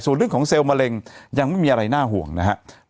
ส่วนเรื่องของเซลล์มะเร็งยังไม่มีอะไรน่าห่วงนะครับ